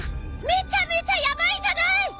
めちゃめちゃヤバいじゃない！